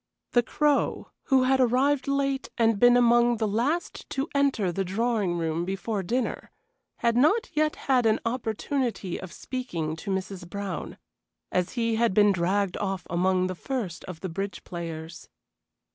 The Crow, who had arrived late and been among the last to enter the drawing room before dinner, had not yet had an opportunity of speaking to Mrs. Brown, as he had been dragged off among the first of the bridge players.